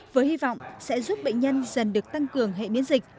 với hy vọng sẽ giúp bệnh nhân dần được tăng cường hệ miễn dịch